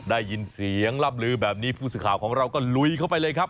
ได้ยินเสียงล่ำลือแบบนี้ผู้สื่อข่าวของเราก็ลุยเข้าไปเลยครับ